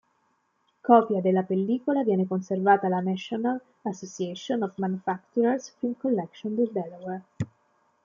Copia della pellicola viene conservata alla National Association of Manufacturers film collection del Delaware